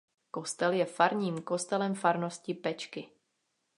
Kostel je farním kostelem farnosti Pečky.